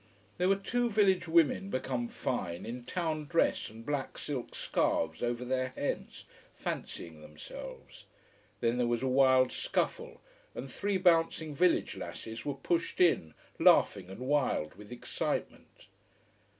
There were two village women become fine, in town dress and black silk scarves over their heads, fancying themselves. Then there was a wild scuffle, and three bouncing village lasses were pushed in, laughing and wild with excitement.